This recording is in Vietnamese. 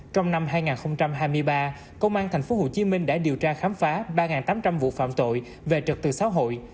trong năm hai nghìn hai mươi ba công an tp hcm đã điều tra khám phá ba tám trăm linh vụ phạm tội về trật tự xã hội